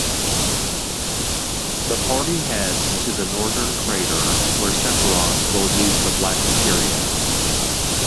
The party heads to the Northern Crater, where Sephiroth will use the Black Materia.